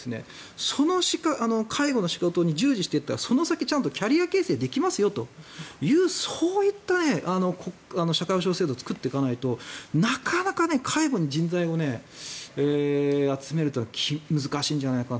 その介護の仕事に従事していったらその先ちゃんとキャリア形成でできますよというそういった社会保障制度を作っていかないとなかなか介護に人材を集めるのは難しいんじゃないかと。